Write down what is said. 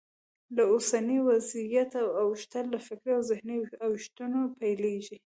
له اوسني وضعیته اوښتل له فکري او ذهني اوښتون پیلېږي.